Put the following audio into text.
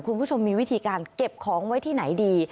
คุณผู้ชมมีวิธีการเก็บของไว้ที่ไหนดี